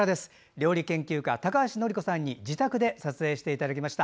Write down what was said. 料理研究家の高橋典子さんに自宅で撮影していただきました。